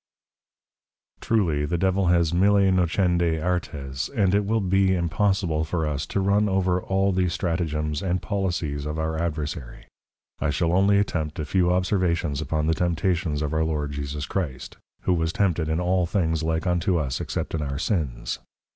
_] Truly, the Devil has Mille Nocendi Artes; and it will be impossible for us, to run over all the Stratagems and Policies of our Adversary. I shall only attempt a few Observations upon the Temptations of our Lord Jesus Christ: who was Tempted in all things like unto us, except in our Sins.